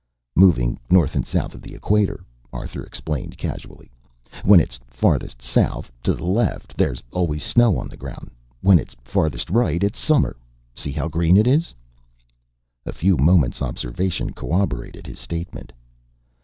"Moving north and south of the equator," Arthur explained casually. "When it's farthest south to the left there's always snow on the ground. When it's farthest right it's summer. See how green it is?" A few moments' observation corroborated his statement.